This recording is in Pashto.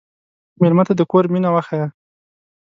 مېلمه ته د کور مینه وښیه.